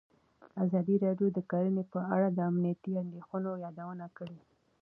ازادي راډیو د کرهنه په اړه د امنیتي اندېښنو یادونه کړې.